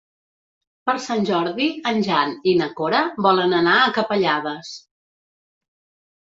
Per Sant Jordi en Jan i na Cora volen anar a Capellades.